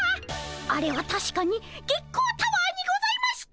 あれはたしかに月光タワーにございました。